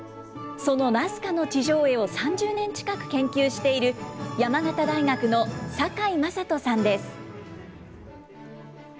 そのナスカの地上絵を３０年近く研究している山形大学の坂井正人さんです。